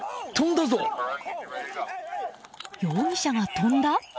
容疑者が飛んだ？